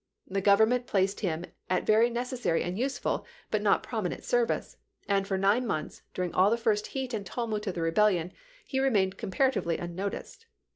The Government chap.xv placed him at very necessary and useful but not prominent service ; and for nine months, during all the first heat and tumult of the rebellion, he re mained comparatively unnoticed.